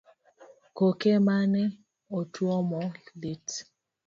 Koke mane otuomo lit